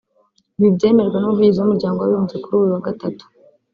Ibi byemejwe n’umuvugizi w’Umuryango w’Abibumbye kuri uyu wa Gatatu